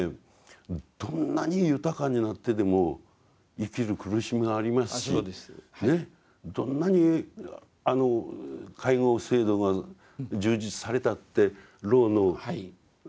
どんなに豊かになってでも生きる苦しみがありますしどんなに介護制度が充実されたって老の悲しみや不安があるわけです。